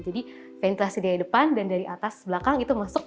jadi ventilasi dari depan dan dari atas belakang itu masuk